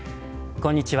こんにちは。